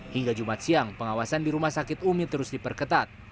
hingga jumat siang pengawasan di rumah sakit umi terus diperketat